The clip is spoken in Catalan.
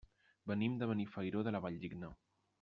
Venim de Benifairó de la Valldigna.